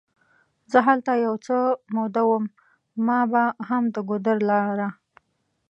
زه هلته یو څه موده وم، ما به هم د ګودر لاره.